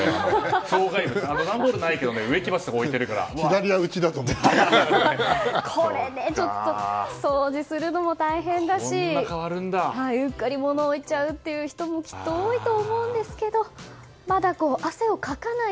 障害物段ボールはないけど植木鉢とか置いてるから。これ、掃除するのも大変だしうっかり物を置いちゃうという人もきっと多いと思うんですけどまだ汗をかかない